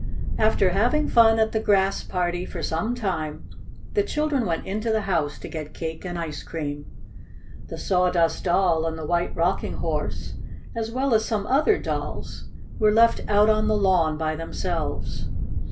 After having fun at the Grass Party for some time, the children went into the house to get cake and ice cream. The Sawdust Doll and the White Rocking Horse, as well as some other dolls, were left out on the lawn by themselves.